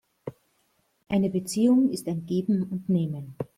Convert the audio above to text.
Eine Beziehung ist ein Geben und Nehmen.